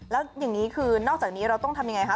แล้วอย่างนี้คือนอกจากนี้เราต้องทำยังไงคะ